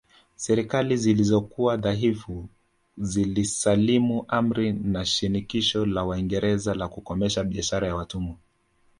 Serikali zilizokuwa dhaifu zilisalimu amri kwa shinikizo la Waingereza la kukomesha biashara ya watumwa